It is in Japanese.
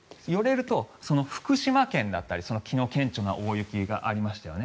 福島県だったり昨日顕著な大雪がありましたよね。